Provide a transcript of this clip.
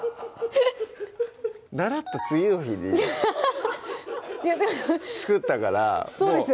習った次の日に作ったからそうですよね